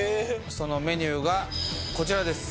そのメニューがこちらです。